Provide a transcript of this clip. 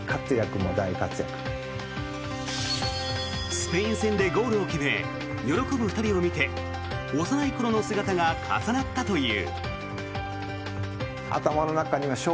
スペイン戦でゴールを決め喜ぶ２人を見て幼い頃の姿が重なったという。